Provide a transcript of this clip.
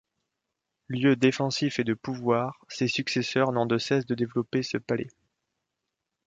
Lieu défensif et de pouvoir, ses successeurs n'ont de cesse de développer ce palais.